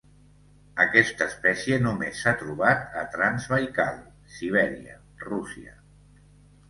Aquesta espècie només s'ha trobat a Transbaikal, Sibèria, Rússia.